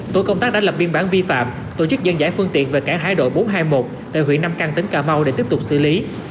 tổ công tác đã lập biên bản vi phạm tổ chức dân giải phương tiện về cảng hải đội bốn trăm hai mươi một tại huyện nam căn tỉnh cà mau để tiếp tục xử lý